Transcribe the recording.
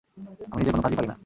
আমি নিজে কোনো কাজই পারি না।